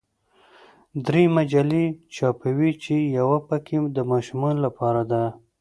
درې مجلې چاپوي چې یوه پکې د ماشومانو لپاره ده.